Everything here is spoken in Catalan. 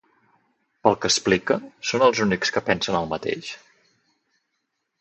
Pel que explica, són els únics que pensen el mateix?